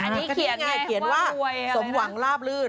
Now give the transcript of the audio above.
นี่ไงเขียนว่าสมหวังลาบลื่น